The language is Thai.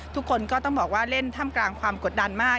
ทุกคนก็ต้องบอกว่าเล่นท่ามกลางความกดดันมาก